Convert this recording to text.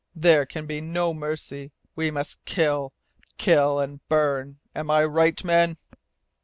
There can be no mercy. We must kill kill and burn! Am I right, men?"